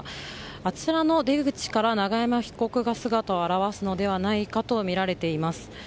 あちらの出口から永山被告が姿を現すのではないかとみられています。